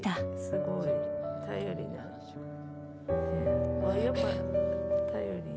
すごい頼りに。